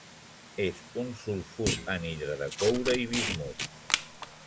És un sulfur anhidre de coure i bismut.